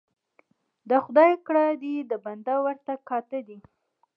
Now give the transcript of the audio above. ـ د خداى کړه دي د بنده ورته کاته دي.